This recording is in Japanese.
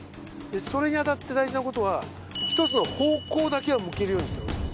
でそれにあたって大事な事は一つの方向だけは向けるようにしろと。